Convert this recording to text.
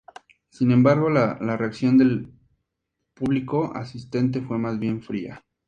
Sin embargo, la reacción del público asistente fue más bien fría.